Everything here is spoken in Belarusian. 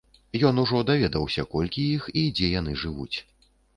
Ён ужо даведаўся, колькі іх і дзе яны жывуць.